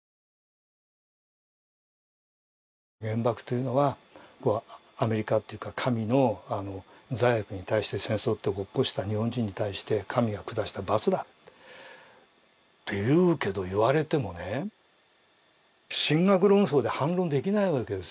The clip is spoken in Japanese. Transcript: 原爆というのはアメリカっていうか神の罪悪に対して戦争を起こした日本人に対して神が下した罰だっていうけど言われてもね神学論争で反論できないわけですよ。